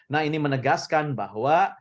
nah ini menegaskan bahwa